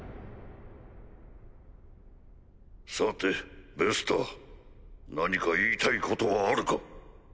さてベスター何か言いたいことはあるか？